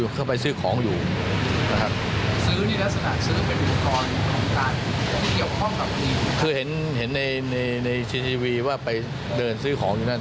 คือเห็นในทีวีว่าไปเดินซื้อของอยู่นั่น